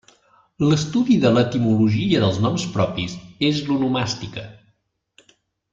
L'estudi de l'etimologia dels noms propis és l'onomàstica.